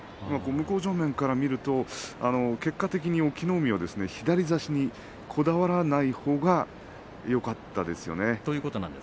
向正面から見ると結果的に隠岐の海、左差しにこだわらないほうがよかったですよね。